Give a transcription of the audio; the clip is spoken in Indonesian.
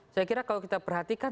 saya kira kalau kita perhatikan